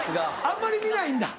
あんまり見ないんだ。